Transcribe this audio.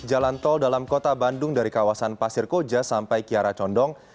jalan tol dalam kota bandung dari kawasan pasir koja sampai kiara condong